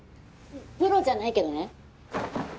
プロじゃないけどね。